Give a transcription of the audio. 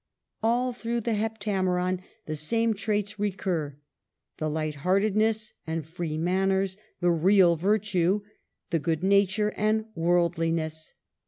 ..." All through the *' Heptameron " the same traits recur, — the light heartedness and free manners, the real virtue, the good nature and worldliness.